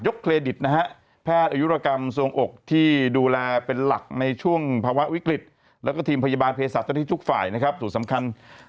ยกเครดิตแพทย์อายุรกรรมส่วงอกที่ดูแลเป็นหลักในช่วงภาวะวิกฤติและทีมพยาบาลเพศศัตริย์ทั้งทุกฝ่าย